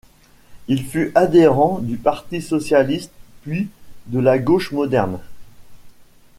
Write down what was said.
Il fut adhérent du Parti socialiste, puis de La Gauche moderne.